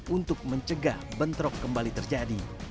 untuk mencegah bentrok kembali terjadi